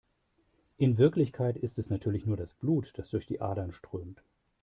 In Wirklichkeit ist es natürlich nur das Blut, das durch die Adern strömt.